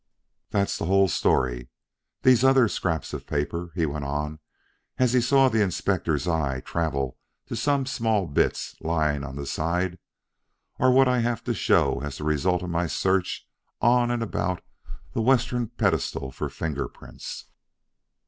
That's the whole story. These other scraps of paper," he went on as he saw the Inspector's eye travel to some small bits lying on the side, "are what I have to show as the result of my search on and about the western pedestal for finger prints.